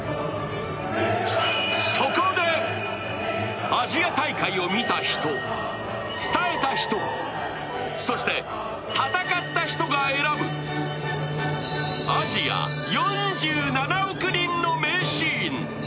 そこで、アジア大会を見た人伝えた人そして、戦った人が選ぶアジア４７億人の名シーン！